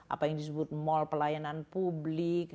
apa yang disebut mall pelayanan publik